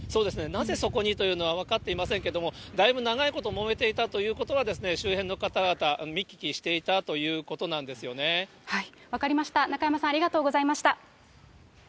なぜそこにというのは分かっていませんけれども、だいぶ長いこともめていたということは、周辺の方々、見聞きして分かりました、中山さん、ありがとうございました。